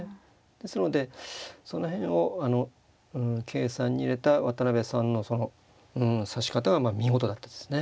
ですのでその辺を計算に入れた渡辺さんのその指し方が見事だったですね。